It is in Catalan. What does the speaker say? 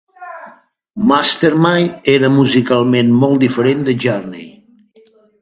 Mastermind era musicalment molt diferent de Journey.